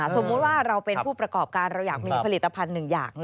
สมมุติว่าเราเป็นผู้ประกอบการเราอยากมีผลิตภัณฑ์หนึ่งอย่าง